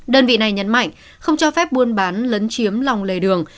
đơn vị này nhấn mạnh không cho phép buôn bán lấn chiếm lòng lề đường